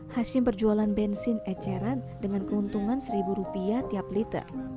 hashim berjualan bensin eceran dengan keuntungan seribu rupiah tiap liter